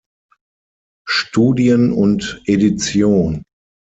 Studien und Edition".